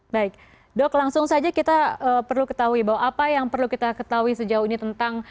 baik dok langsung saja kita perlu ketahui bahwa apa yang perlu kita ketahui sejauh ini tentang